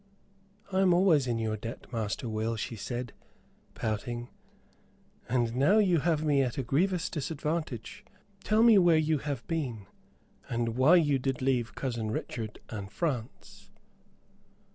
"I am always in your debt, Master Will," she said, pouting, "and now you have me at grievous disadvantage. Tell me where you have been, and why you did leave cousin Richard and France?"